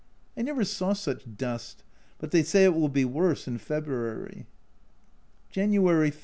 I never saw such dust, but they say it will be worse in February. January 30.